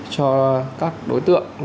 cho các đối tượng